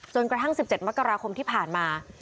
กระทั่ง๑๗มกราคมที่ผ่านมา